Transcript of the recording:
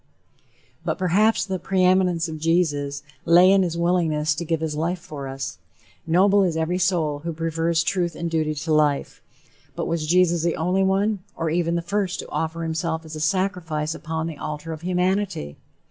But perhaps the "preeminence of Jesus" lay in his willingness to give his life for us. Noble is every soul who prefers truth and duty to life. But was Jesus the only one, or even the first to offer himself as a sacrifice upon the altar of humanity?